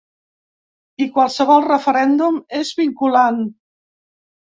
I qualsevol referèndum és vinculant.